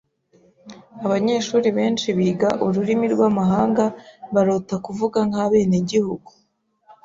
Abanyeshuri benshi biga ururimi rwamahanga barota kuvuga nkabenegihugu.